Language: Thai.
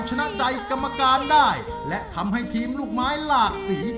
ชนะใจกรรมการได้และทำให้ทีมลูกไม้หลากสี